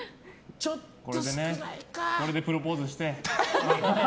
これでプロポーズして。